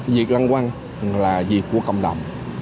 việc lăn quăng là việc của cộng đồng